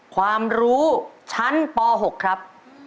ความรู้ชั้นป๖ครับ